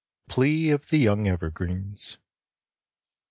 PLEA OF THE YOUNG EVERGREENS.